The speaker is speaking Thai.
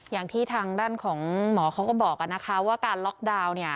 อย่างที่ทางด้านของหมอเขาก็บอกว่าการล็อกดาวน์